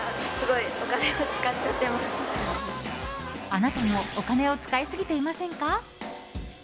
あなたもお金を使いすぎていませんか？